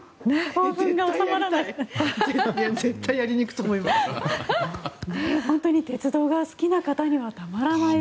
興奮が収まらない。